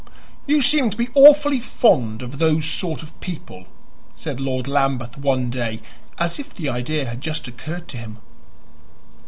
"You seem to be awfully fond of those sort of people," said Lord Lambeth one day, as if the idea had just occurred to him.